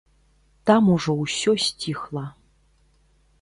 Там ужо ўсё сціхла.